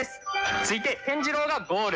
続いてペン次郎がゴール。